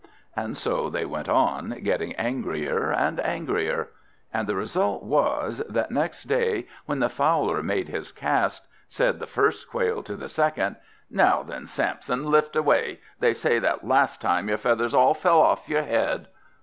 And so they went on, getting angrier and angrier. And the result was, that next day, when the fowler made his cast, said the first Quail to the second: "Now then, Samson, lift away! They say that last time your feathers all fell off your head!"